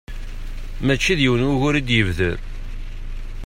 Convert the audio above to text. Mačči d yiwen wugur i d-yebder.